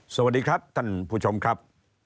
สวัสดีครับท่านผู้ชมครับ